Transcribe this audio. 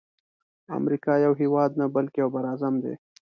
امریکا یو هیواد نه بلکی یو بر اعظم دی.